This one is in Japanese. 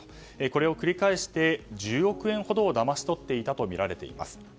これを繰り返して１０億円ほどをだまし取ったとみられています。